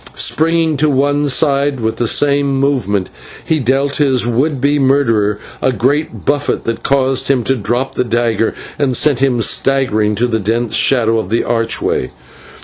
Springing to one side, with the same movement he dealt his would be murderer a great buffet, that caused him to drop the dagger and sent him staggering into the dense shadow of the archway.